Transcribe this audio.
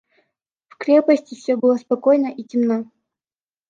В крепости все было спокойно и темно.